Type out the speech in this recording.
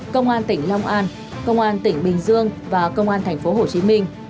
công an tỉnh long an công an tỉnh bình dương và công an thành phố hồ chí minh